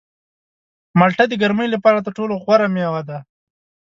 مالټه د ګرمۍ لپاره تر ټولو غوره مېوه ده.